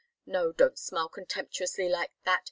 No don't smile contemptuously like that.